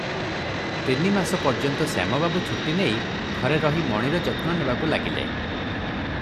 ତିନିମାସ ପର୍ଯ୍ୟନ୍ତ ଶ୍ୟାମବାବୁ ଛୁଟି ନେଇ ଘରେ ରହି ମଣିର ଯତ୍ନ ନେବାକୁ ଲାଗିଲେ ।